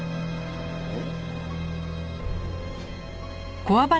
えっ？